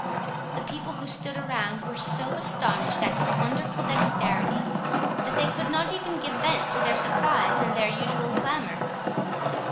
The people who stood around were so astonished at his wonderful dexterity, that they could not even give vent to their surprise in their usual clamour.